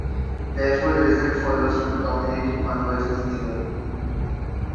Therefore the result follows from the dominated convergence theorem.